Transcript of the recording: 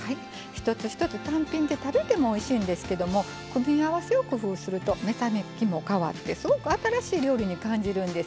一つ一つ単品で食べてもおいしいんですけども組み合わせを工夫すると目先も変わってすごく新しい料理に感じるんですよ。